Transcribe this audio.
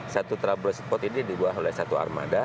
satu trouble spot ini dibuat oleh satu armada